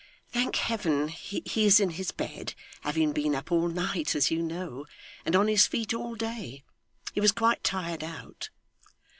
'Thank Heaven he is in his bed; having been up all night, as you know, and on his feet all day. He was quite tired out.